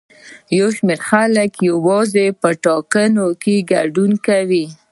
یو شمېر خلک یوازې په ټاکنو کې ګډون کوي.